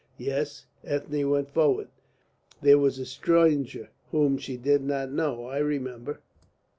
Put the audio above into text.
"Yes, Ethne went forward. There was a stranger whom she did not know. I remember."